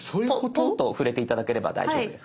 ポンと触れて頂ければ大丈夫です。